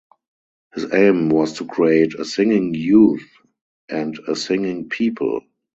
His aim was to create "a singing youth" and "a singing people".